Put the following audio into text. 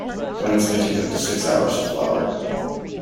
Plants may take up to six years to flower.